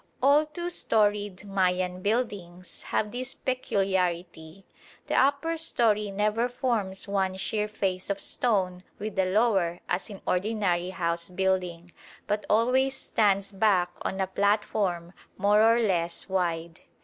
All two storeyed Mayan buildings have this peculiarity: the upper storey never forms one sheer face of stone with the lower as in ordinary house building, but always stands back on a platform more or less wide.